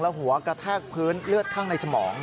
หัวกระแทกพื้นเลือดข้างในสมอง